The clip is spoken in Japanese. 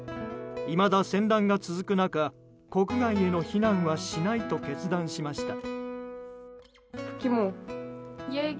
いまだ戦乱が続く中国外への避難はしないと決断しました。